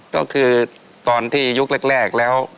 ก็คือตอนที่ยุคแรกแล้ว